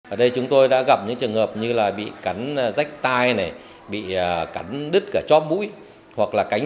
ở đây chúng tôi đã gặp những trường hợp như là bị cắn rách tai này bị cắn đứt cả chóp mũi hoặc là cánh